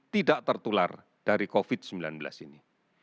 tidak tertular dari covid sembilan belas ini